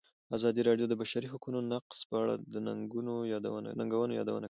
ازادي راډیو د د بشري حقونو نقض په اړه د ننګونو یادونه کړې.